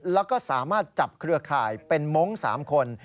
แล้วก็สามารถจับเครือข่ายเป็นมงค์๓คน